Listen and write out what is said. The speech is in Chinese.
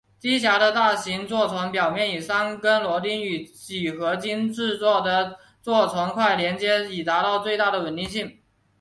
机匣的大型座床表面以三根螺钉与铝合金制造的座床块连接以达到最大的稳定性。